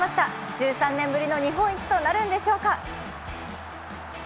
１３年ぶりの日本一となるのでしょうか。